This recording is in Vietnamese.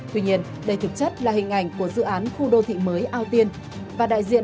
tuy nhiên đây thực chất là hình ảnh của dự án khu đô thị mới ao tiên